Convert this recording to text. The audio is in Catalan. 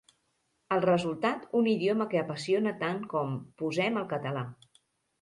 El resultat, un idioma que apassiona tant com, posem, el català.